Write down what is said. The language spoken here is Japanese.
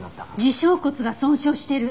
耳小骨が損傷してる。